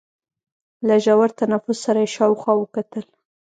له ژور تنفس سره يې شاوخوا وکتل.